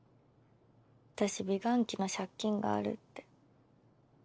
私美顔器の借金があるって。